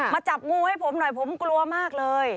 จับงูให้ผมหน่อยผมกลัวมากเลย